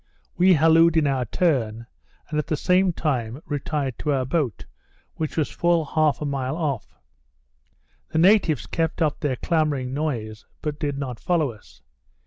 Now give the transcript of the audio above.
We hallooed in our turn; and, at the same time, retired to our boat, which was full half a mile off. The natives kept up their clamouring noise, but did not follow us.